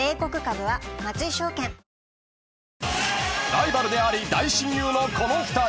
［ライバルであり大親友のこの２人］